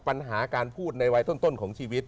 ปัญหาการพูดในวัยต้นของชีวิต